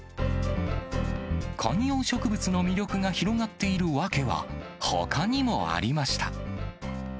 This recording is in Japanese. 観葉植物の魅力が広がっている訳は、ほかにもありました。